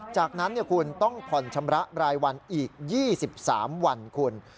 จากนั้นคุณต้องผ่อนชำระรายวันอีก๒๓วันคุณ